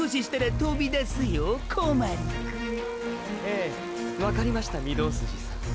ええわかりました御堂筋さん。